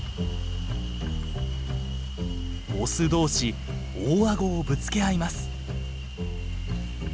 オス同士大顎をぶつけ合います。